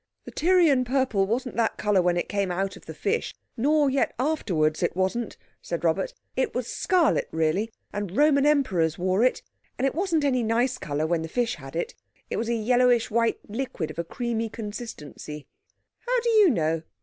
"The Tyrian purple wasn't that colour when it came out of the fish, nor yet afterwards, it wasn't," said Robert; "it was scarlet really, and Roman Emperors wore it. And it wasn't any nice colour while the fish had it. It was a yellowish white liquid of a creamy consistency." "How do you know?"